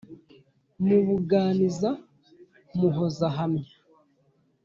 Mubuganiza muhoza hamya